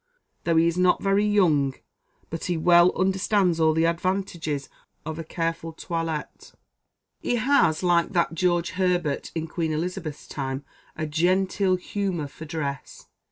Though he is not very young, but he well understands all the advantages of a careful toilette. He has, like that George Herbert in Queen Elizabeth's time, 'a genteel humour for dress.